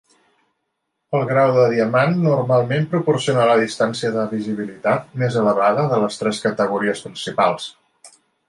El grau de diamant normalment proporciona la distància de visibilitat més elevada de les tres categories principals.